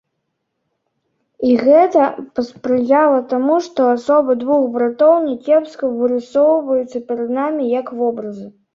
І гэта паспрыяла таму, што асобы двух братоў някепска вырысоўваюцца перад намі як вобразы.